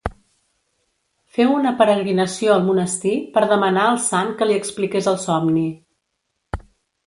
Féu una peregrinació al monestir per demanar al sant que li expliqués el somni.